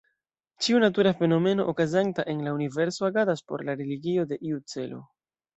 Ĉiu natura fenomeno okazanta en la universo agadas por la realigo de iu celo.